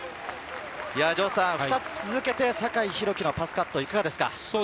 ２つ続けて酒井宏樹のパスカット、いかがですか？